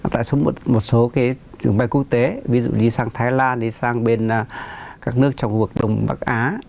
tại sống một số cái trường bay quốc tế ví dụ đi sang thái lan đi sang bên các nước trong vực đông bắc á